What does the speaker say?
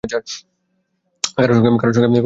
কারো সঙ্গে কথা বলতে পারলে ভালো লাগে।